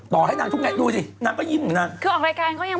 ต่อให้นางทุกแก่ดูสินางก็ยิ้มเหรอนาง